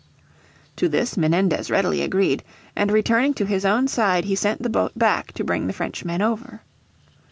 To this Menendez readily agreed, and returning to his own side he sent the boat back to bring the Frenchmen over.